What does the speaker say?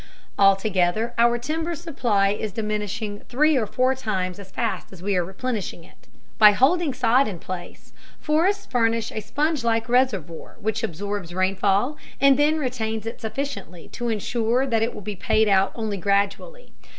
Altogether our timber supply is diminishing three or four times as fast as we are replenishing it. By holding sod in place, forests furnish a sponge like reservoir which absorbs rainfall and then retains it sufficiently to insure that it will be paid out only gradually.